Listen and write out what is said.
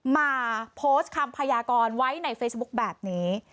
มาโพสต์คำพยากรไว้ในเฟซบุ๊คแบบนี้